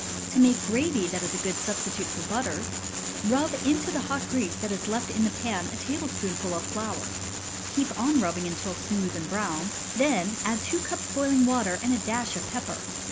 To make gravy that is a good substitute for butter, rub into the hot grease that is left in the pan a table spoonful of flour, keep on rubbing until smooth and brown, then add two cups boiling water and a dash of pepper.